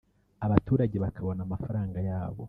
abaturage bakabona amafaranga yabo